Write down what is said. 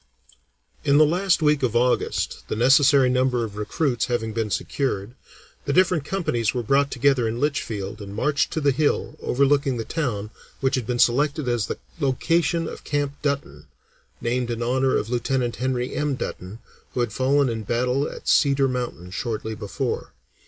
In the last week in August, the necessary number of recruits having been secured, the different companies were brought together in Litchfield and marched to the hill overlooking the town which had been selected as the location of Camp Dutton, named in honor of Lieutenant Henry M. Dutton, who had fallen in battle at Cedar Mountain shortly before.